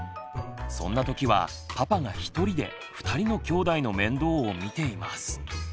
そんなときはパパが一人で二人の兄弟の面倒を見ています。